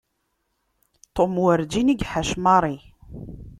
Tom werǧin i iḥac Mary.